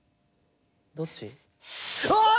どっち？